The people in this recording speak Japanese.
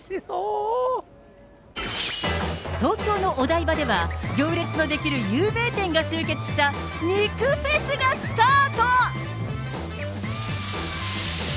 東京のお台場では、行列の出来る有名店が集結した肉フェスがスタート。